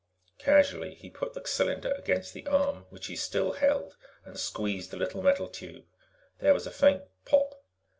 Casually, he put the cylinder against the arm which he still held and squeezed the little metal tube. There was a faint _pop!